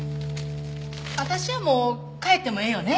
あたしはもう帰ってもええよね？